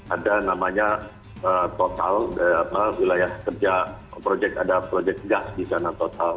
ada namanya total wilayah kerja proyek ada proyek gas di sana total